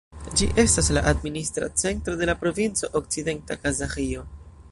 Ĝi estas la administra centro de la provinco Okcidenta Kazaĥio.